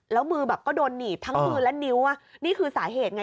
แล้วมือแบบก็โดนหนีบทั้งมือและนิ้วนี่คือสาเหตุไง